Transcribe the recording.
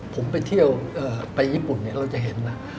ผมไปเที่ยวไปญี่ปุ่นเนี่ยเราจะเห็นนะ